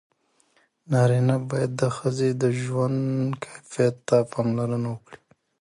نارینه باید د ښځې د ژوند کیفیت ته پاملرنه وکړي.